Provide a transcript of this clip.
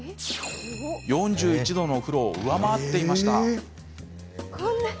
４１度のお風呂を上回っていました。